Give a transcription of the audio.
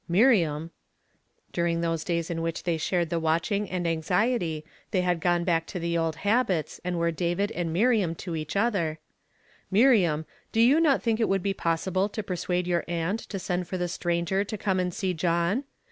"Miriam," — during those days in which they shared the watcliing and anxiety, they had gone back to the old habits, and wer<* " David" and "' Miriam" to each other, — "•Miriam, do yon not think it would be possible to pei suade your aunt to send for the stranger to come and see .Tohn?